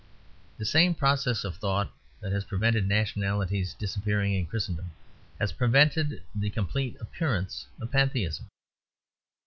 The same process of thought that has prevented nationalities disappearing in Christendom has prevented the complete appearance of Pantheism.